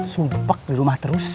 supak di rumah terus